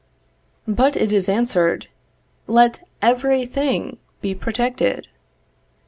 But it is answered, let every thing be protected.